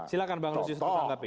silahkan bang lusius terangkapi